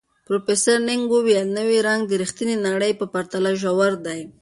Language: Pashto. پروفیسر نګ وویل، نوی رنګ د ریښتیني نړۍ په پرتله ژور دی.